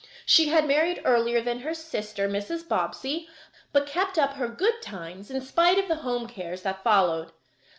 She had married earlier than her sister, Mrs. Bobbsey, but kept up her good times in spite of the home cares that followed.